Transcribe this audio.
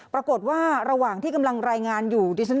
ปรากฏว่าระหว่างที่กำลังรายงานอยู่